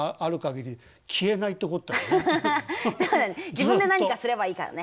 自分で何かすればいいからね。